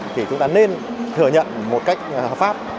thì chúng ta nên thừa nhận một cách hợp pháp